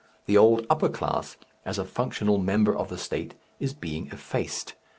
The old upper class, as a functional member of the State, is being effaced.